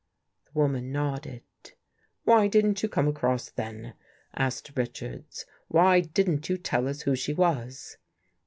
The woman nodded. "Why didn't you come across, then?" asked Richards. " Why didn't you tell us who she was?